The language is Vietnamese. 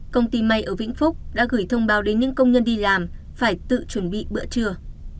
công ty may ở vĩnh phúc đã gửi thông báo đến những công nhân đi làm phải tự chuẩn bị bữa trưa